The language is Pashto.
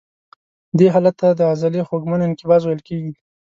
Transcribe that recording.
دې حالت ته د عضلې خوږمن انقباض ویل کېږي.